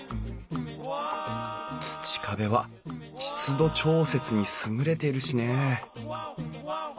土壁は湿度調節に優れているしね